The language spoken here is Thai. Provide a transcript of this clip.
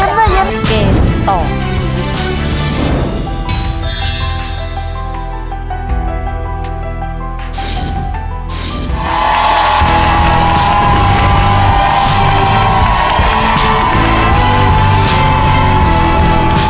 เกมต่อชีวิต